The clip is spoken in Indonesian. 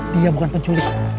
dia bukan penculik